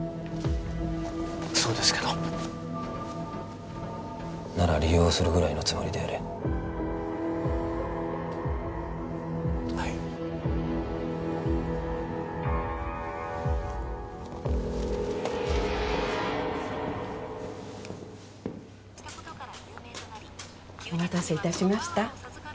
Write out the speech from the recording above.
そうですけどなら利用するぐらいのつもりでやれはいお待たせいたしました